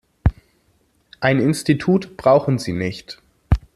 Ein Institut brauchen sie nicht.